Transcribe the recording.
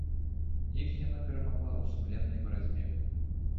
Іх яна перамагла ў сумленнай барацьбе.